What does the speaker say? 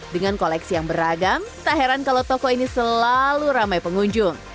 dengan koleksi yang beragam tak heran kalau toko ini selalu ramai pengunjung